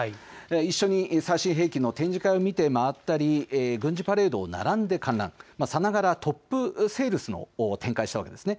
一緒に最新兵器の展示会を見て回ったり軍事パレードを並んで観覧、さながらトップセールスを展開したわけです。